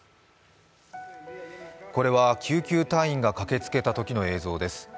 これは救急隊員が駆けつけたときの映像です。